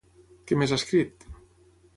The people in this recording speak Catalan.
Què més ha escrit?